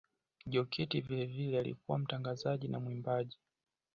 Jokate vilevile alikuwa mtangazaji na mwimbaji